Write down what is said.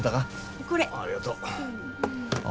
おっありがとう。